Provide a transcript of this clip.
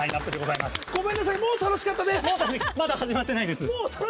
まだ始まってないです！